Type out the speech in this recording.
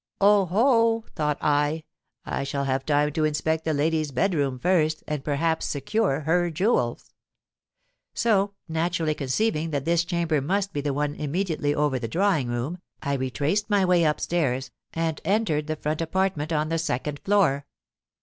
'Oh! ho,' thought I, 'I shall have time to inspect the lady's bed room first, and perhaps secure her jewels.'—So, naturally conceiving that this chamber must be the one immediately over the drawing room, I retraced my way up stairs, and entered the front apartment on the second floor.